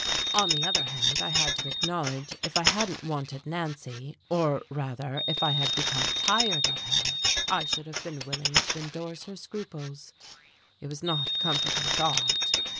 On the other hand I had to acknowledge if I hadn't wanted Nancy, or rather, if I had become tired of her, I should have been willing to endorse her scruples.... It was not a comforting thought.